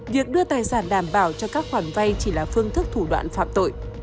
việc đưa tài sản đảm bảo cho các khoản vay chỉ là phương thức thủ đoạn phạm tội